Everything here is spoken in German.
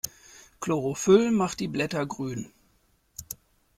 Chlorophyll macht die Blätter grün.